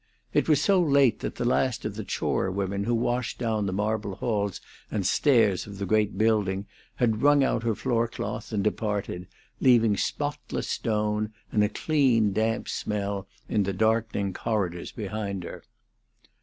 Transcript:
It was so late that the last of the chore women who washed down the marble halls and stairs of the great building had wrung out her floor cloth and departed, leaving spotless stone and a clean, damp smell in the darkening corridors behind her.